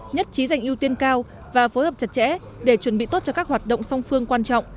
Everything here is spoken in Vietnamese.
nhất trí dành ưu tiên cao và phối hợp chặt chẽ để chuẩn bị tốt cho các hoạt động song phương quan trọng